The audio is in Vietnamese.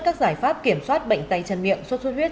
các giải pháp kiểm soát bệnh tay chân miệng sốt xuất huyết